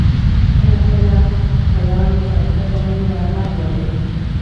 کله کله تیارې پر ده باندې یرغل راوړي.